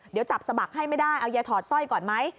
เดี๋ยวจับสมัครให้ไม่ได้เอายายถอดสร้อยก่อนไหม